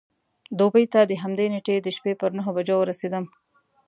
دوبۍ ته د همدې نېټې د شپې پر نهو بجو ورسېدم.